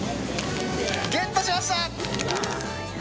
ゲットしました！